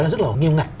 rất là nghiêm ngặt